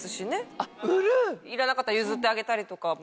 いらなかったら譲ってあげたり。